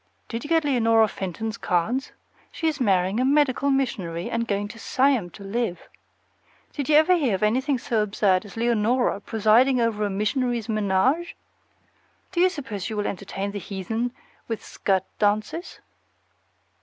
Did you get Leonora Fenton's cards? She's marrying a medical missionary and going to Siam to live! Did you ever hear of anything so absurd as Leonora presiding over a missionary's menage? Do you suppose she will entertain the heathen with skirt dances?